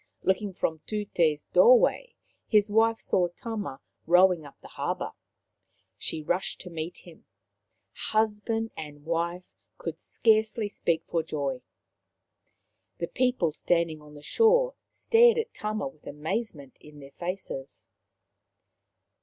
Looking from Tut6's doorway, his wife saw Tama rowing up the harbour. She rushed to meet him. Husband and wife could scarcely speak for joy. The people standing on the shore stared at Tama with amazement in their faces.